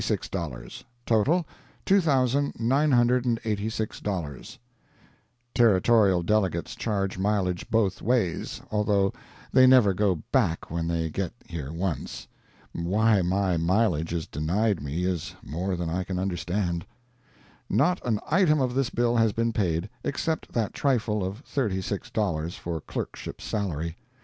$36 Total .......................... $2,986 [Territorial delegates charge mileage both ways, although they never go back when they get here once. Why my mileage is denied me is more than I can understand.] Not an item of this bill has been paid, except that trifle of thirty six dollars for clerkship salary.